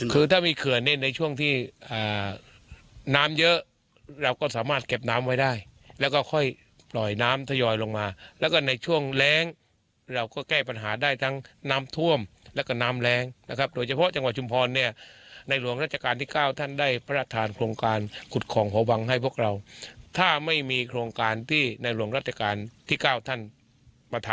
คือถ้ามีเขื่อนเนี่ยในช่วงที่น้ำเยอะเราก็สามารถเก็บน้ำไว้ได้แล้วก็ค่อยปล่อยน้ำทยอยลงมาแล้วก็ในช่วงแรงเราก็แก้ปัญหาได้ทั้งน้ำท่วมแล้วก็น้ำแรงนะครับโดยเฉพาะจังหวัดชุมพรเนี่ยในหลวงราชการที่๙ท่านได้พระราชทานโครงการขุดของหอวังให้พวกเราถ้าไม่มีโครงการที่ในหลวงรัชกาลที่๙ท่านประท